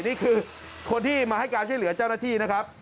นี่คือคนที่มาให้การช่วยเหลือเจ้าหน้าที่นะครับ